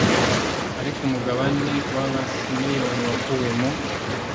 ariko umugabane w abasimeyoni wakuwe mu